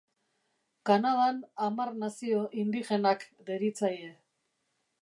Kanadan hamar nazio indigenak deritzaie.